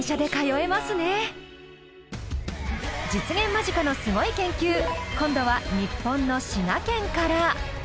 実現間近のすごい研究今度は日本の滋賀県から。